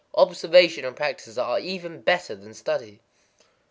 Observation and practice are even better than study.